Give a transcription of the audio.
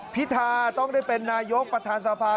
พิธาต้องได้เป็นนายกประธานสภา